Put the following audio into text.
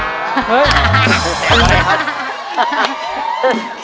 เฮ้ยแสบอะไรครับ